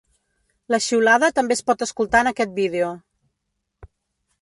La xiulada també es pot escoltar en aquest vídeo.